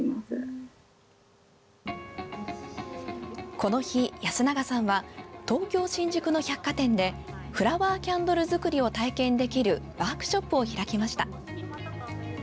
この日、安永さんは東京・新宿の百貨店でフラワーキャンドル作りを体験できるワークショップを開きました。